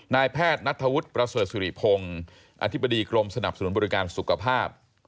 นายแพทย์นัทธวุฒิประเสริฐสุริพงศ์อธิบดีกรมสนับสนุนบริการสุขภาพ